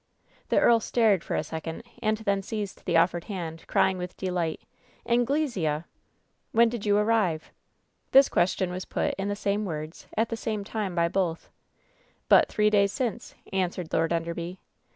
The earl stared for a second and then seized the offered hand, crying with delight : "Anglesea !" "When did you arrive?" This question was put, in the same words, at tiie same time by both. "But three days since," answered Lord Enderby.